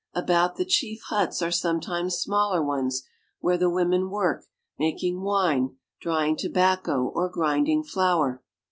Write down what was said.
About the chief huts are sometimes smaller ones, where the women work, makingwine, drying tobacco, or grinding flour.